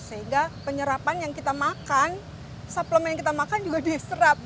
sehingga penyerapan yang kita makan suplemen yang kita makan juga diserap